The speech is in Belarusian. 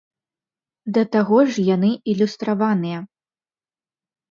Да таго ж яны ілюстраваныя.